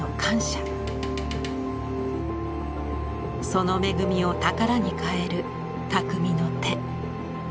その恵みを宝に変える匠の手。